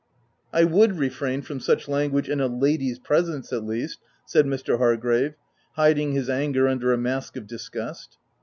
I would refrain from such language in a lady's presence, at least," said Mr. Hargrave, hiding his anger under a mask of disgust.